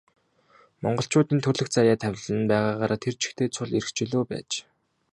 Монголчуудын төрөлх заяа тавилан нь байгаагаараа тэр чигтээ цул эрх чөлөө байж.